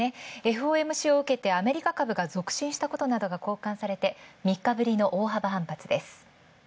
ＦＯＭＣを受けてアメリカ株が続伸したことなどがこうかんされて、３日ぶりの大幅反発。